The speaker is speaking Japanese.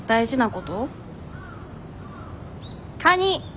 カニ